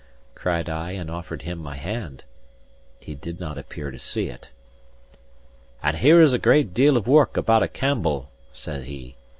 cried I, and offered him my hand. He did not appear to see it. "And here is a great deal of work about a Campbell!" said he.